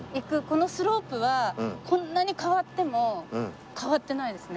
このスロープはこんなに変わっても変わってないですね。